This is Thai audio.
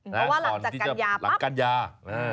เพราะว่าหลังจากกันยาปั๊บ